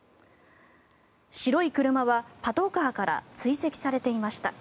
白い車はパトカーから追跡されていました。